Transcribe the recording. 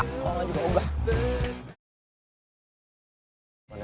kalau enggak juga oga